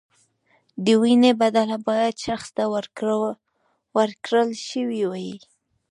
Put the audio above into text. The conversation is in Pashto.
د وینې بدله باید شخص ته ورکړل شوې وای.